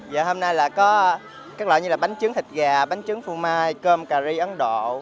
giờ hôm nay là có các loại như là bánh trứng thịt gà bánh trứng phô mai cơm cà ri ấn độ